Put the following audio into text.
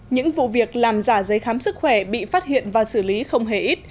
những vụ việc làm giả giấy khám sức khỏe bị phát hiện và xử lý không hề ít